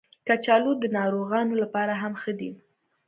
کچالو د ناروغانو لپاره هم ښه دي